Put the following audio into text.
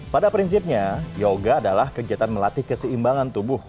pada prinsipnya yoga adalah kegiatan melatih keseimbangan tubuh